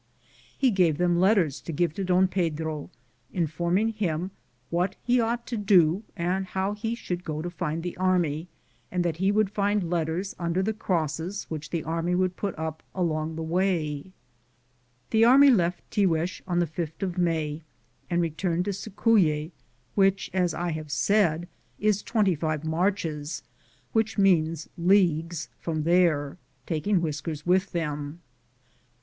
He gave them letters to give to Don Pedro, informing him what he ought to do and how he should go to find the army, and that he would find letters under the crosses which the army would put up along the way. The army left Tiguex on the 5th of May ' and returned to Cicuye, which, as I have said, is twenty he started April 28d. am Google THE. JOURNEY OF CORONADO five marches, which means leagues, from there, taking 'Whiskers with them.